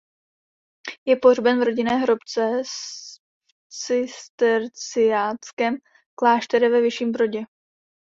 Je pohřben v rodinné hrobce v cisterciáckém klášteře ve Vyšším Brodě.